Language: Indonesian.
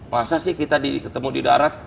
masa sih kita ketemu di darat